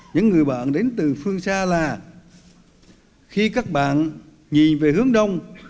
những người bạn đến từ phương xa là khi các bạn nhìn về hướng đông